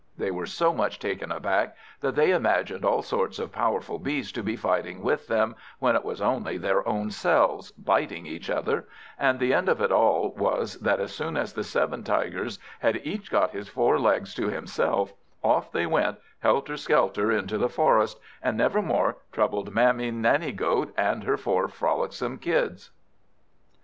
They were so much taken aback, that they imagined all sorts of powerful beasts to be fighting with them, when it was only their own selves, biting each other; and the end of all was, that as soon as the seven Tigers had each got his four legs to himself, off they went helter skelter into the forest, and never more troubled Mammy Nanny goat and her four frolicsome Kids.